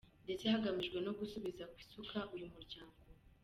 Ndetse hagamijwe no gusubiza kw’isuka uyu muryango.